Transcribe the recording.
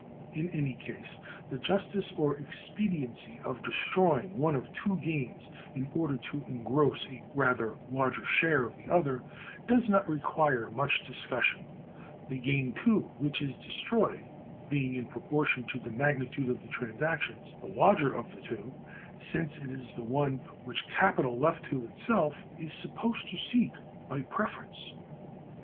In any case, the justice or expediency of destroying one of two gains, in order to engross a rather larger share of the other, does not require much discussion; the gain, too, which is destroyed, being, in proportion to the magnitude of the transactions, the larger of the two, since it is the one which capital, left to itself, is supposed to seek by preference.